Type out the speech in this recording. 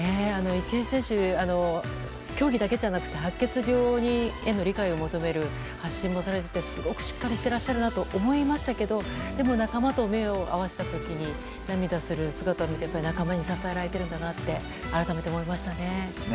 池江選手、競技だけじゃなくて白血病への理解を求める発信もされていてすごくしっかりされているなと思いましたけどでも、仲間と目を合わせた時に涙する姿を見て仲間に支えられているんだなって改めて思いましたね。